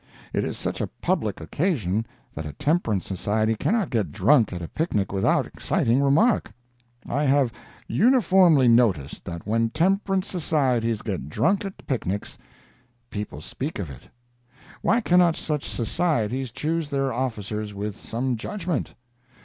It is such a public occasion that a temperance society cannot get drunk at a picnic without exciting remark. I have uniformly noticed that when temperance societies get drunk at picnics, people speak of it. Why cannot such societies choose their officers with some judgment?